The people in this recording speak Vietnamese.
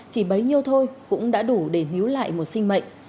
chỉ bấy nhiêu thôi cũng đã đủ để hiếu lại một sinh mệnh